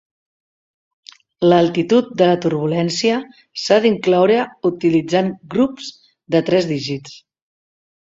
L'altitud de la turbulència s'ha d'incloure utilitzant grups de tres dígits.